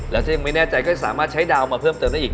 แล้วถ้ายังไม่แน่ใจก็สามารถใช้ดาวมาเพิ่มเติมได้อีก